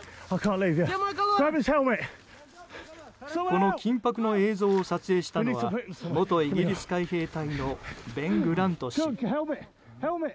この緊迫の映像を撮影したのは元イギリス海兵隊のベン・グラント氏。